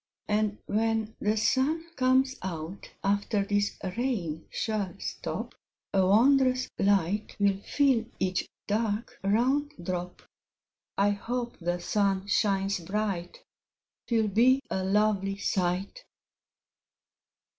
And when the Sun comes out, After this Rain shall stop, A wondrous Light will fill Each dark, round drop; I hope the Sun shines bright; 'Twill be a lovely sight.